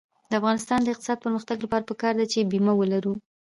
د افغانستان د اقتصادي پرمختګ لپاره پکار ده چې بیمه ولرو.